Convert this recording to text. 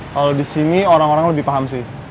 kalau disini orang orang lebih paham sih